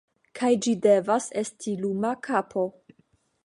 Kaj ĝi devas esti luma kapo.